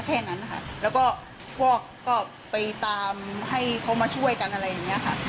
แค่นั้นค่ะแล้วก็พวกก็ไปตามให้เขามาช่วยกันอะไรอย่างนี้ค่ะ